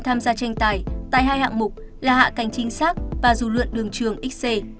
tại hai hạng mục là hạ cảnh chính xác và du lượn đường trường xc